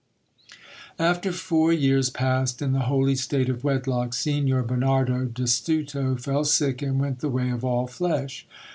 After four years passed in the holy state of wedlock, Signor Bernardo d' Astuto fell sick, and went the way of all flesh.